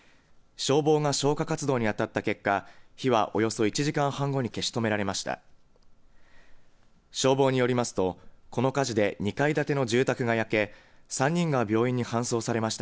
消防が消火活動に当たった結果火はおよそ１時間半後に消し止められました。